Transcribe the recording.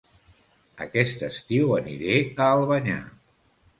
Aquest estiu aniré a Albanyà